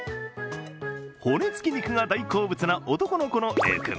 骨付き肉が大好物な男の子のＡ君。